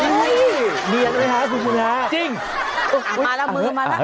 นี่เนียนไหมฮะคุณคุณฮะจริงอ่ะมาแล้วมือมาแล้วอ่ะเฮ้ย